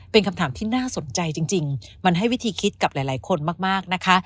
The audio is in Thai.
เป็นคำถามที่น่าสนใจจริงมันให้วิธีคิดกับหลายคนมากนะคะ